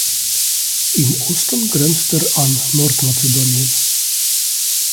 Im Osten grenzt er an Nordmazedonien.